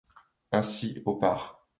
Ainsi, au par.